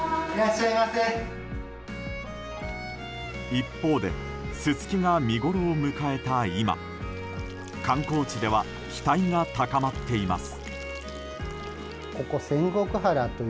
一方でススキが見ごろを迎えた今観光地では期待が高まっています。